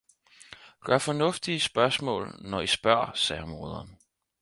Gør fornuftige spørgsmål når i spørger, sagde moderen